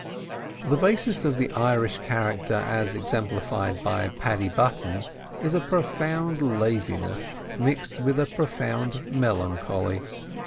The basis of the Irish character as exemplified by Paddy Button is a profound laziness mixed with a profound melancholy.